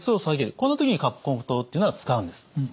この時に根湯っていうのは使うんです。